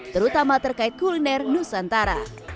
terutama terkait kuliner nusantara